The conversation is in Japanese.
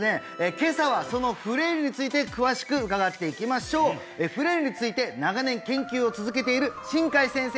今朝はそのフレイルについて詳しく伺っていきましょうフレイルについて長年研究を続けている新開先生です